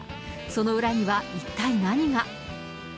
その裏には一体何が。